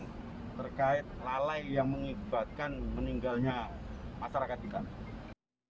ini terkait lalai yang mengibatkan meninggalnya masyarakat di danau